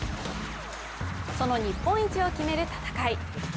その日本一を決める戦い。